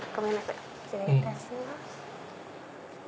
お肉失礼いたします。